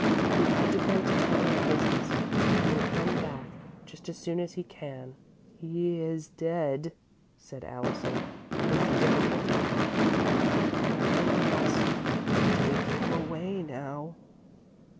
"He had to go to town on business. He will come back just as soon as he can." "He is dead," said Allison, with difficulty. "Nothing else could take him away now."